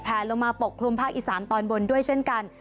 ลงมาปกคลุมภาคอีสานตอนบนด้วยเช่นกัน